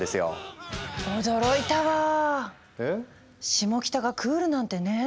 シモキタがクールなんてねぇ。